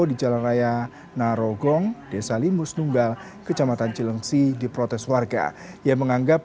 di jalan raya narogong desa limus nunggal kecamatan cilengsi diprotes warga yang menganggap